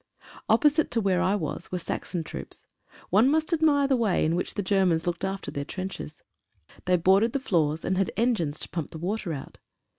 Opposite to where I was were Saxon troops. One must admire the way in which the Germans looked after their trenches. They boarded the floors, and had engines to pump the water out.